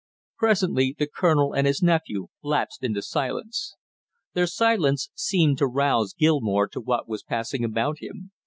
Presently the colonel and his nephew lapsed into silence. Their silence seemed to rouse Gilmore to what was passing about him.